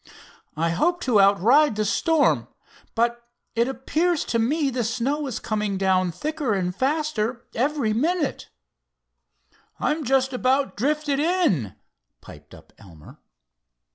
"I hoped to outride the storm. But it appears to me the snow is coming down thicker and faster every minute." "I'm just about drifted in," piped up Elmer.